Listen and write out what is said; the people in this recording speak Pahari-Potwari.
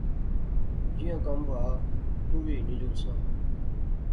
جیاں کم وہا، تو وی ہنی جولساں